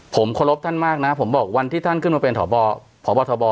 ผมเคารพท่านมากนะผมบอกวันที่ท่านขึ้นมาเป็นพบทบ